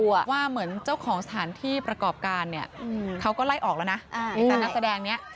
ว่าเหมือนเจ้าของสถานที่ประกอบการเนี่ยเขาก็ไล่ออกแล้วนะนี่แต่นักแสดงเนี้ย